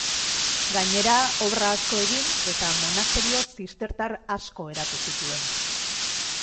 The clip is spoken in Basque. Gainera, obra asko egin eta monasterio zistertar asko eratu zituen.